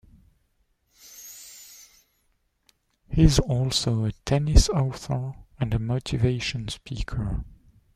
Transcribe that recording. He is also a tennis author and a motivation speaker.